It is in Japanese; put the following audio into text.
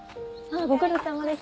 ご苦労さまです。